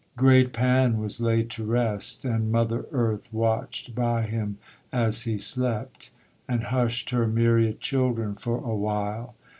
Great Pan was laid to rest; And Mother Earth watched by him as he slept, And hushed her myriad children for a while.